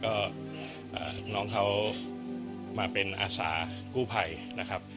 ก็น้องเขามาเป็นอาสากู้ภัยนะครับ